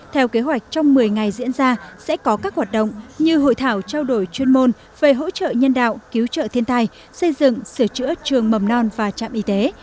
theo kế hoạch trong một mươi ngày diễn ra sẽ có các hoạt động như hội thảo trao đổi chuyên môn về hỗ trợ nhân đạo cứu trợ thiên tai xây dựng sửa chữa trường mầm non và trạm y tế